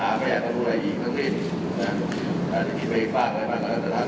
อันนี้ก็อาจจะเป็นพวกบริหารของบุคคลศัพท์หรืออาจจะไปตัดใช้ในการช่วยดูแลรักษาพวกเขาบร้อย